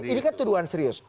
ini kan tuduhan serius